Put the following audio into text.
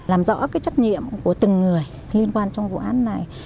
làm rõ cái trách nhiệm của từng người liên quan trong vụ án này